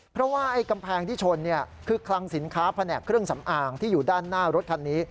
เพราะว่าไอ้กำแพงที่ชนคือคลังสินค้าแผนกเครื่องสำอางที่อยู่ด้านหน้ารถคันนี้